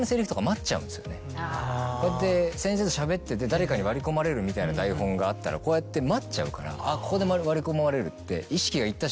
こうやって先生としゃべってて誰かに割り込まれるみたいな台本があったらこうやって待っちゃうから。